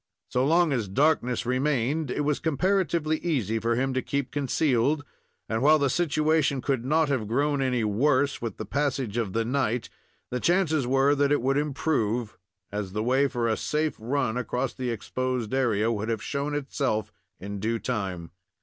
So long as darkness remained, it was comparatively easy for him to keep concealed, and, while the situation could not have grown any worse, with the passage of the night, the chances were that it would improve, as the way for a safe run across the exposed area would have shown itself in due time.